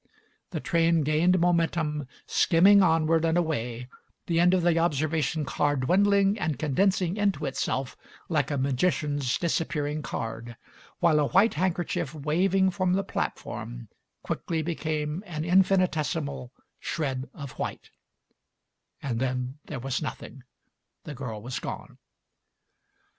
The train gained momentum, skimming onward and away, the end of the observation car dwindling and condensing into itself like a magician's dis Digitized by Google MARY SMITH 161 appearing card, while a white handkerchief, waving from the platform, quickly became an infinitesimal shred of white — and then there was nothing. The girl was gone.